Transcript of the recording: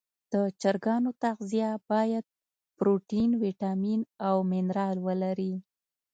د چرګانو تغذیه باید پروټین، ویټامین او منرال ولري.